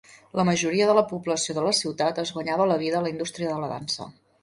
La majoria de la població de la ciutat es guanyava la vida a la indústria de la dansa.